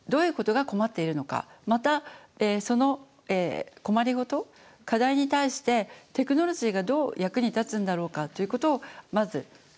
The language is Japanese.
またその困り事課題に対してテクノロジーがどう役に立つんだろうかということをまず考えていくと思います。